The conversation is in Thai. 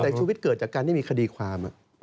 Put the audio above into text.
แต่ชีวิตเกิดจากการไม่มีคดีความ